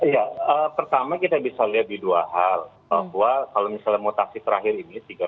ya pertama kita bisa lihat di dua hal